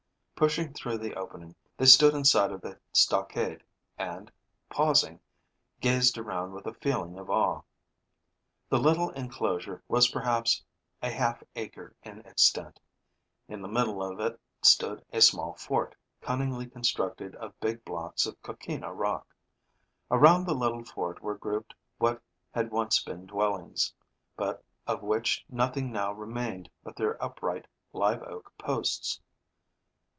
Pushing through the opening, they stood inside of the stockade, and, pausing, gazed around with a feeling of awe. The little enclosure was perhaps a half acre in extent. In the middle of it stood a small fort, cunningly constructed of big blocks of coquina rock. Around the little fort were grouped what had once been dwellings, but of which nothing now remained but their upright live oak posts.